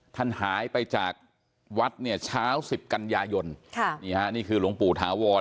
ท่านหายไปจากวัดเช้า๑๐กันยาหย่นนี่คือหลวงปู่ถาวร